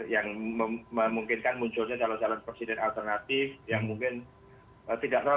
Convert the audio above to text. yang memungkinkan munculnya calon calon presiden alternatif yang mungkin tidak terlalu populer tapi dia kapabilitasnya tinggi